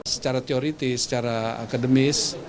secara teoritis secara akademis